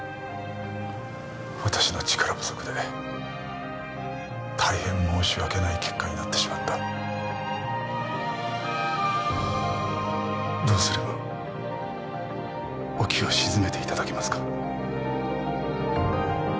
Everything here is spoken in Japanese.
私の力不足で大変申し訳ない結果になってしまったどうすればお気を静めていただけますか？